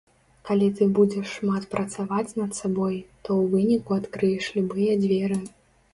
Калі ты будзеш шмат працаваць над сабой, то ў выніку адкрыеш любыя дзверы.